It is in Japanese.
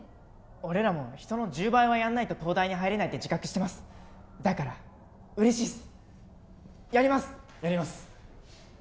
俺らも人の１０倍はやんないと東大に入れないって自覚してますだから嬉しいっすやりますやります